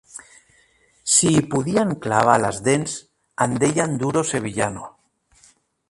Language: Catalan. Si hi podien clavar les dents en deien duro sevillano.